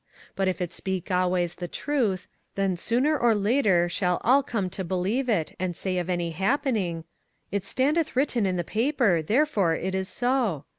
But if it speak always the truth, then sooner or later shall all come to believe it and say of any happening, 'It standeth written in the paper, therefore it is so.'